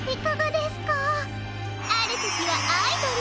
あるときはアイドル。